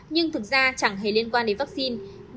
nhưng thực ra chẳng hề liên quan đến vaccine